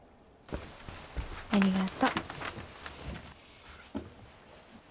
ありがと。